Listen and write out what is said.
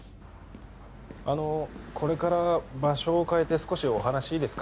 あのこれから場所を変えて少しお話いいですか？